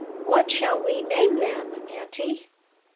What shall we name them, auntie?"